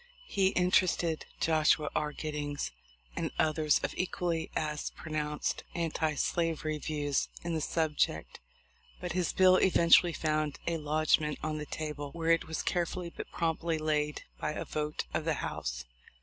He inter ested Joshua R. Giddings and others of equally as pronounced anti slavery views in the subject, but his bill eventually found a lodgment on "the table/' where it was carefully but promptly laid by a vote of the House.